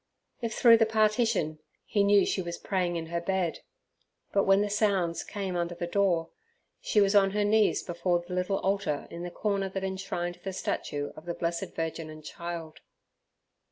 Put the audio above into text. If through the partition, he knew she was praying in her bed; but when the sounds came under the door, she was on her knees before the little altar in the corner that enshrined the statue of the Blessed Virgin and Child.